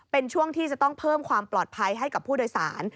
เป็นช่วงที่จะต้องเพิ่มความปลอดภัยให้กับผู้โดยสาร